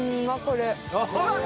これ。